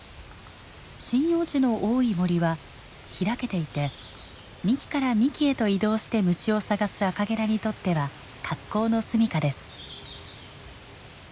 針葉樹の多い森は開けていて幹から幹へと移動して虫を探すアカゲラにとっては格好の住みかです。